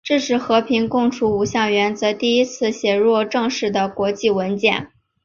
这是和平共处五项原则第一次写入正式的国际文件。